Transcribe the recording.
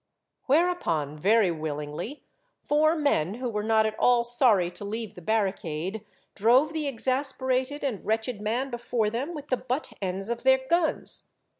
Whereupon, very willingly, four men who were not at all sorry to leave the barricade drove the exasperated and wretched man before them with the butt ends of their guns.